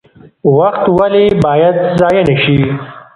وخت ولې باید ضایع نشي؟